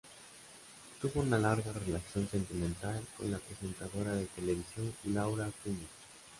Tuvo una larga relación sentimental con la presentadora de televisión Laura Acuña.